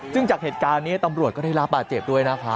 ซึ่งจากเหตุการณ์นี้ตำรวจก็ได้รับบาดเจ็บด้วยนะครับ